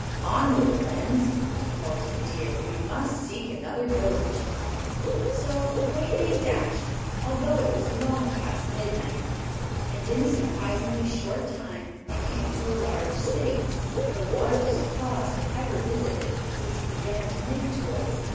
"Onward, friends!" he called to the deer; "we must seek another village." So away they dashed, although it was long past midnight, and in a surprisingly short time they came to a large city, the largest Claus had ever visited since he began to make toys.